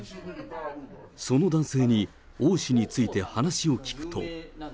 その男性に、王氏について話を聞くと。